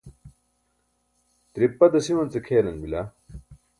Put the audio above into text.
tiripa dasiwance kʰelan bila